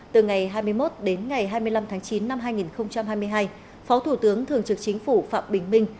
từ ngày hai mươi một đến ngày hai mươi năm tháng chín năm hai nghìn hai mươi hai phó thủ tướng thường trực chính phủ phạm bình minh